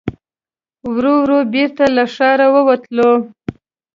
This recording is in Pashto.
ورو ورو بېرته له ښاره ووتلو.